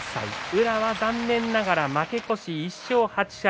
宇良は残念ながら負け越し１勝８敗。